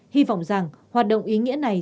hy vọng rằng hoạt động ý nghĩa này